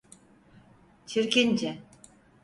Çirkince.